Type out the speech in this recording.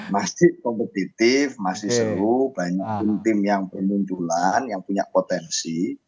masih kompetitif masih seru banyak tim tim yang bermunculan yang punya potensi